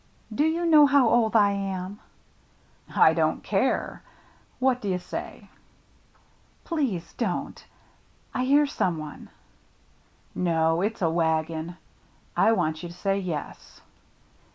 Do you know how old I am ?"" I don't care. What do you say ?"" Please don't. I hear some one." " No, it's a wagon. I want you to say yes."